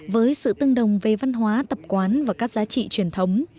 với sự tương đồng về văn hóa tập quán và các giá trị truyền thống